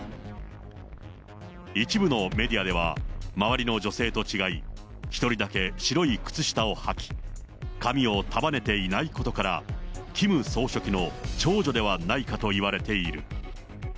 一部のメディアでは、周りの女性と違い、１人だけ白い靴下をはき、髪を束ねていないことから、キム総書記の長女ではないかといわれている。